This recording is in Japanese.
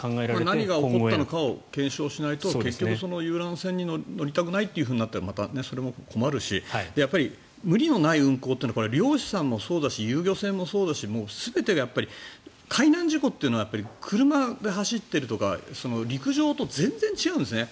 何が起こったのかを検証しないと結局、遊覧船に乗りたくないとなったらまたそれも困るし無理のない運航って漁師さんもそうだし遊漁船もそうだし全てが海難事故っていうのは車で走っているとか陸上と全然違うんですね。